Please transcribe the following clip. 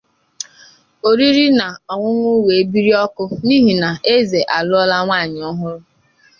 Oriri na ọńụnụ wee biri ọkụ n’ihi na eze a lụọna nwanyị ọhụrụ